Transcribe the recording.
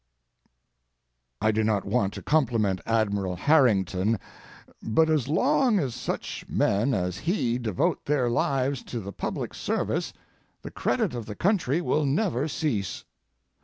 I do not want to compliment Admiral Harrington, but as long as such men as he devote their lives to the public service the credit of the country will never cease.